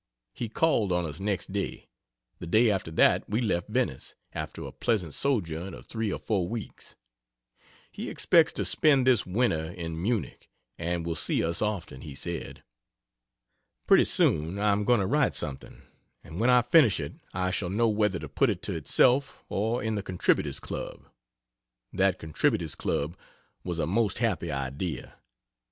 He called on us next day; the day after that we left Venice, after a pleasant sojourn Of 3 or 4 weeks. He expects to spend this winter in Munich and will see us often, he said. Pretty soon, I am going to write something, and when I finish it I shall know whether to put it to itself or in the "Contributors' Club." That "Contributors' Club" was a most happy idea.